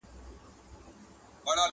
ورک سم په هینداره کي له ځان سره!.